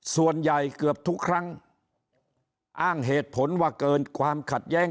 ส่วนใหญ่เกือบทุกครั้งอ้างเหตุผลว่าเกินความขัดแย้ง